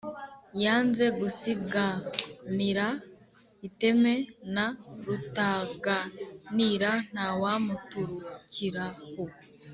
yanze gusiganira iteme na rutaganira, ntawamuturukiraho